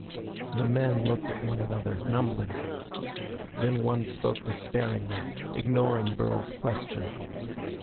The men looked at one another, numbly. Then one spoke despairingly, ignoring Burl's question.